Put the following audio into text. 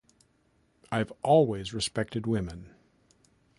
I've always respected women.